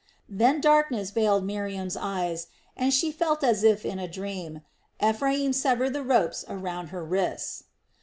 Then darkness veiled Miriam's eyes and she felt as if in a dream Ephraim sever the ropes around her wrists.